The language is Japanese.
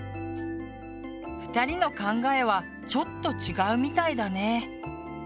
２人の考えはちょっと違うみたいだね。